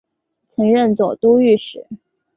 曾任左都御史。